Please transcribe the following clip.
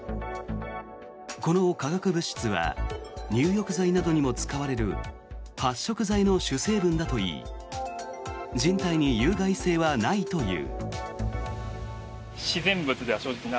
この化学物質は入浴剤などにも使われる発色剤の主成分だといい人体に有害性はないという。